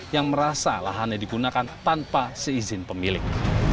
yang merasa lahannya digunakan tanpa seizin pemilik